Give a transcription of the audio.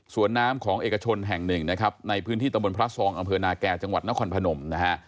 ส่วนน้ำของเอกชนแห่งหนึ่งนะครับในพื้นที่ตะบนพระซองอำเภอนาแก่จังหวัดนครพนมนะฮะ